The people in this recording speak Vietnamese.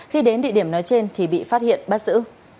khi đến địa điểm nói trên thì bị phát hiện bắt giữ